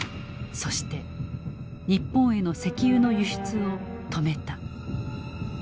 そして日本への石油の輸出を止めた。